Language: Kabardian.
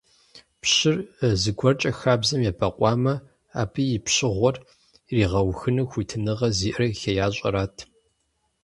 Пщыр зыгуэркӏэ хабзэм ебэкъуамэ, абы и пщыгъуэр иригъэухыну хуитыныгъэ зиӀэр хеящӀэрат.